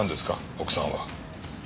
奥さんは。